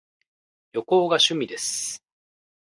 旅行が趣味です